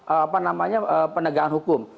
apa namanya penegangan hukum